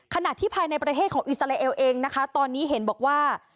ขณะที่ภายในประเทศของอิสราเอลเองนะคะตอนนี้เห็นบอกว่า